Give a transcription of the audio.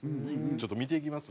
ちょっと見ていきます。